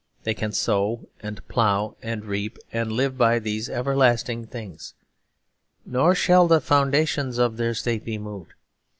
They can sow and plough and reap and live by these everlasting things; nor shall the foundations of their state be moved.